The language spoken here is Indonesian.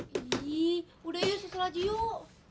iih udah yuk susul aja yuk